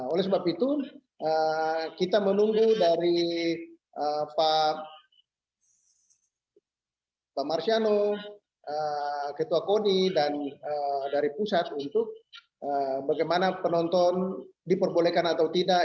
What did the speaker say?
oleh sebab itu kita menunggu dari pak marsiano ketua koni dan dari pusat untuk bagaimana penonton diperbolehkan atau tidak